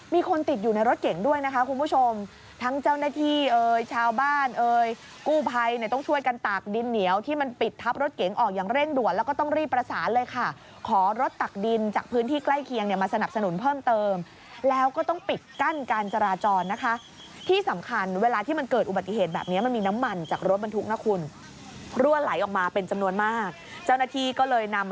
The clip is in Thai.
มีคนติดอยู่ในรถเก๋งด้วยนะคะคุณผู้ชมทั้งเจ้าหน้าที่ชาวบ้านกู้ไพต้องช่วยกันตากดินเหนียวที่มันปิดทับรถเก๋งออกอย่างเร่งด่วนแล้วก็ต้องรีบประสานเลยค่ะขอรถตากดินจากพื้นที่ใกล้เคียงมาสนับสนุนเพิ่มเติมแล้วก็ต้องปิดกั้นการจราจรนะคะที่สำคัญเวลาที่มันเกิดอุบัติเหตุแบบนี้มันมีน